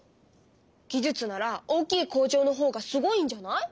技術なら大きい工場のほうがすごいんじゃない？